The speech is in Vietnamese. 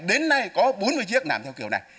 đến nay có bốn mươi chiếc làm theo kiểu này